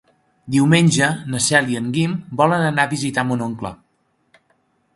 Diumenge na Cel i en Guim volen anar a visitar mon oncle.